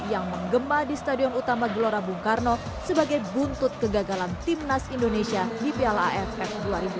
yang menggema di stadion utama gelora bung karno sebagai buntut kegagalan timnas indonesia di piala aff dua ribu dua puluh